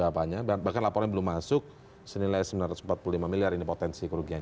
bahkan laporannya belum masuk senilai sembilan ratus empat puluh lima miliar ini potensi kerugian